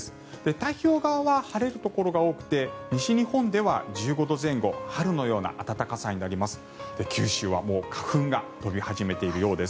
太平洋側は晴れるところが多くて西日本では１５度前後春のような暖かさになります。